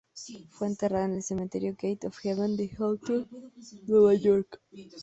Fue enterrada en el Cementerio Gate of Heaven de Hawthorne, Nueva York.